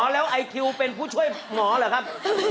แล้วไอคิวเป็นผู้ช่วยหมอเหรอครับ